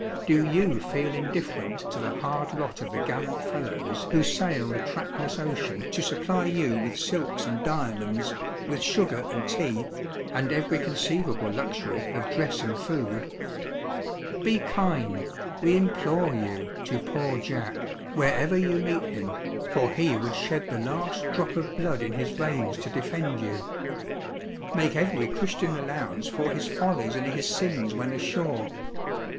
do you feel indifferent to the hard lot of the gallant fellows who sail the trackless ocean to supply you with silks and diamonds, with sugar and tea, and every conceivable luxury of dress and food? Be kind, we implore you, to Poor Jack, wherever you meet him, for he would shed the last drop of blood in his veins to defend you! Make every Christian allowance for his follies and his sins when ashore.